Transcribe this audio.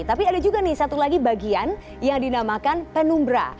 tapi ada juga nih satu lagi bagian yang dinamakan penumbra